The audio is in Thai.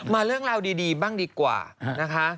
เรื่องราวดีบ้างดีกว่านะคะ